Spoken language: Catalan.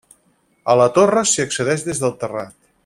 A la torre s'hi accedeix des del terrat.